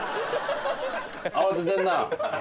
慌ててるな。